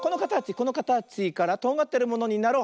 このかたちからとんがってるものになろう。